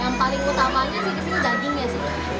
yang paling utamanya sih di sini dagingnya sih